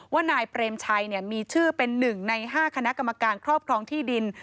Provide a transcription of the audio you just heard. นายเปรมชัยมีชื่อเป็น๑ใน๕คณะกรรมการครอบครองที่ดิน